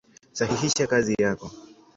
Sahihisha kazi yako.